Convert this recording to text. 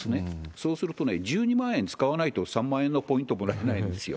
そうするとね、１２万円使わないと、３万円のポイントもらえないんですよ。